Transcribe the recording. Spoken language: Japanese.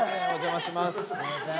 すいません。